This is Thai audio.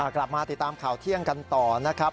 กลับมาติดตามข่าวเที่ยงกันต่อนะครับ